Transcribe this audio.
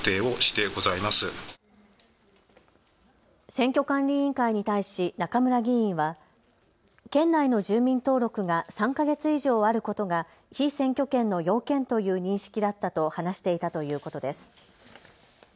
選挙管理委員会に対し中村議員は県内の住民登録が３か月以上あることが被選挙権の要件という認識だったと話していたということです。